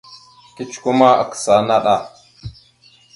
Kecikwe ma, akǝsa naɗ a.